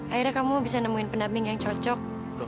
akhirnya kamu bisa nemuin pendamping yang cocok